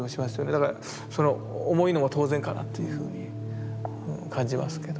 だからその重いのも当然かなというふうに感じますけど。